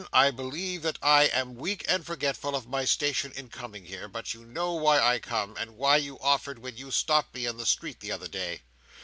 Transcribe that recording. I believe that I am weak and forgetful of my station in coming here, but you know why I come, and what you offered when you stopped me in the street the other day.